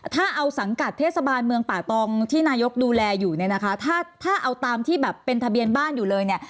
ถ้าเอาสังกัดเทศบาลเมืองป่าตองที่นายกดูแลอยู่เนี่ยนะคะถ้าถ้าเอาตามที่แบบเป็นทะเบียนบ้านอยู่เลยเนี่ย